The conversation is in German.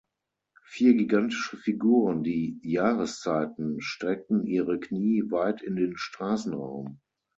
Vier gigantische Figuren, die ‚Jahreszeiten‘, streckten ihre Knie weit in den Straßenraum.